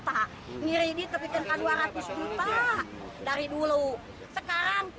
di mana sekarang